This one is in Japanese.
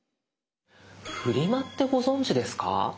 フリマってご存じですか？